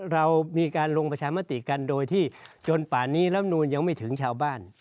เรามีการลงประชามติกันโดยที่จนป่านนี้รับนูนยังไม่ถึงชาวบ้าน